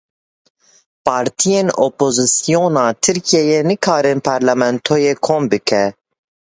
Partiyên opozîsyona Tirkiyeyê nekarin parlamentoyê kom bike.